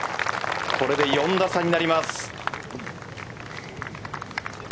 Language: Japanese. これで４打差になります。